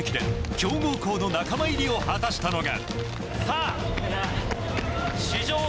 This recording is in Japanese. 強豪校の仲間入りを果たしたのが。